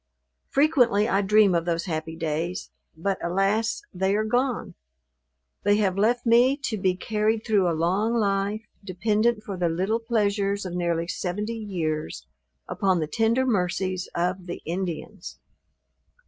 Frequently I dream of those happy days: but, alas! they are gone; they have left me to be carried through a long life, dependent for the little pleasures of nearly seventy years, upon the tender mercies of the Indians!